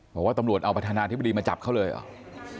บอกว่าตำรวจเอาประธานาธิบดีมาจับเขาเลยเหรอ